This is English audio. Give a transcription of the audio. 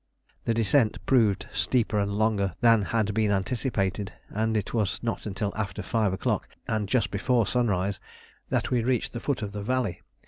The descent proved steeper and longer than had been anticipated, and it was not till after five o'clock, and just before sunrise, that we reached the foot of the valley.